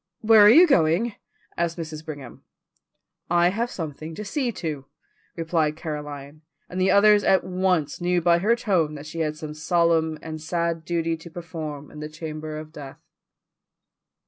"Where are you going?" asked Mrs. Brigham. "I have something to see to," replied Caroline, and the others at once knew by her tone that she had some solemn and sad duty to perform in the chamber of death.